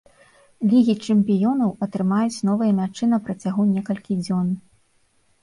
Лігі чэмпіёнаў, атрымаюць новыя мячы на працягу некалькіх дзён.